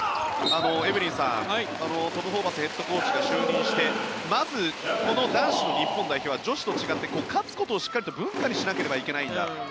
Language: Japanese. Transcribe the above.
エブリンさんトム・ホーバスヘッドコーチが就任してまずこの男子の日本代表は女子と違って勝つことをしっかりと文化にしなければいけないんだ